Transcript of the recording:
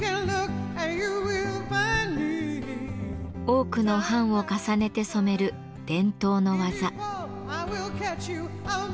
多くの版を重ねて染める伝統の技。